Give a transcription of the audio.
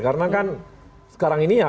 karena kan sekarang ini ya